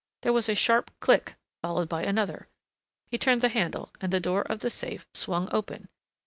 There was a sharp click followed by another. He turned the handle and the door of the safe swung open.